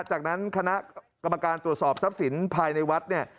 จากนั้นคณะกรรมการตรวจสอบทรัพย์สินภายในวัดเนี่ย